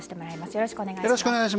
よろしくお願いします。